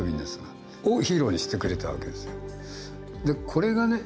これがね